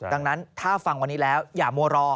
ดังนั้นถ้าฟังวันนี้แล้วอย่ามัวรอ